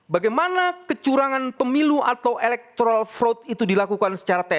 bagaimana kecurangan pemilu atau elektoral fraud itu dilakukan